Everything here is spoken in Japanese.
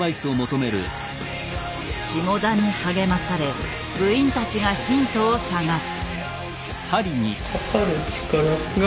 霜田に励まされ部員たちがヒントを探す。